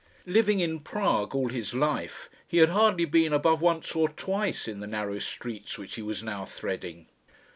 Living in Prague all his life, he had hardly been above once or twice in the narrow streets which he was now threading.